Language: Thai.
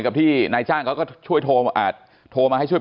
พี่โจฯกลับมาใช่ป่ะ